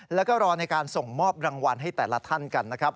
แล้วก็รอในการส่งมอบรางวัลให้แต่ละท่านกันนะครับ